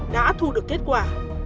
đã thu được kết quả